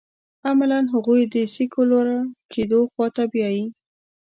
عملاً هغوی د سیکولر کېدو خوا ته بیايي.